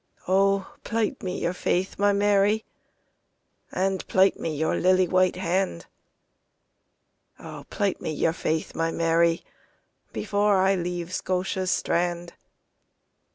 O plight me your faith, my Mary, And plight me your lily white hand;O plight me your faith, my Mary, Before I leave Scotia's strand.